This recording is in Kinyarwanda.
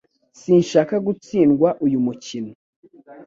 Sinshaka gutsindwa uyu mukino